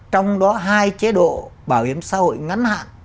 trong đó hai chế độ bảo hiểm xã hội ngắn hạn